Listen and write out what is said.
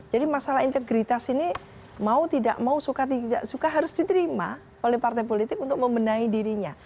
jadi masalah integritas ini mau tidak mau suka tidak suka harus diterima oleh partai politik untuk membenahi dirinya